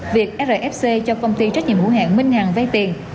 việc rfc cho công ty trách nhiệm hữu hạng minh hằng vây tiền